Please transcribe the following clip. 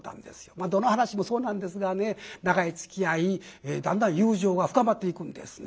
まあどの噺もそうなんですがね長いつきあいだんだん友情が深まっていくんですね。